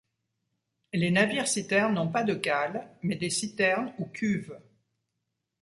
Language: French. Les navires-citernes n'ont pas de cales mais des citernes ou cuves.